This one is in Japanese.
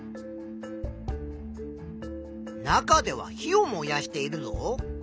中では火を燃やしているぞ。